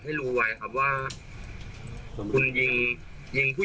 ผมทรมานค่ะ